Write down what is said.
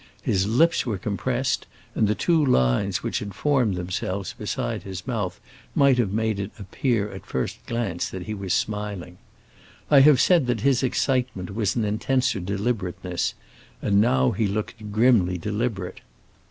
His lips were compressed, and the two lines which had formed themselves beside his mouth might have made it appear at a first glance that he was smiling. I have said that his excitement was an intenser deliberateness, and now he looked grimly deliberate.